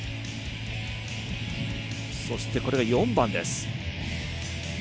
そしてこれが４番です。